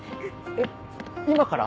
えっ今から？